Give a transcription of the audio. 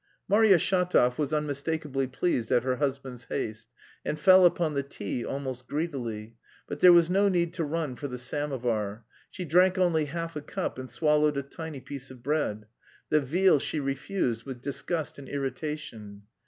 Marya Shatov was unmistakably pleased at her husband's haste and fell upon the tea almost greedily, but there was no need to run for the samovar; she drank only half a cup and swallowed a tiny piece of bread. The veal she refused with disgust and irritation.